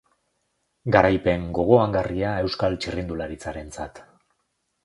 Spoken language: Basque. Garaipen gogoangarria euskal txirrindularitzarentzat.